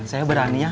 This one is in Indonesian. saya berani ya